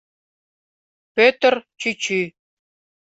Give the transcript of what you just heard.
ПӦТЫР ЧӰЧӰ